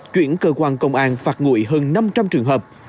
chuyển cơ quan công an phạt nguội hơn năm trăm linh trường hợp